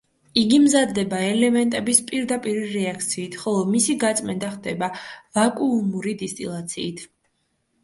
იგი მზადდება ელემენტების პირდაპირი რეაქციით, ხოლო მისი გაწმენდა ხდება ვაკუუმური დისტილაციით.